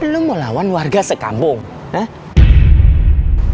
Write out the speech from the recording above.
lu mau lawan warga sekambung hah